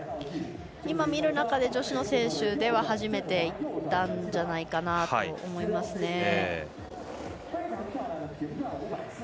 今、見る中で女子の選手では初めていったんじゃないかなと思いますね。